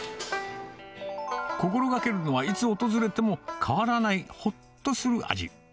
心がけるのは、いつ訪れても変わらないほっとする味。